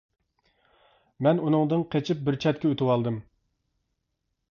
مەن ئۇنىڭدىن قېچىپ بىر چەتكە ئۆتىۋالدىم.